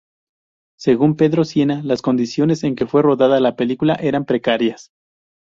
Según Pedro Sienna, las condiciones en que fue rodada la película eran precarias.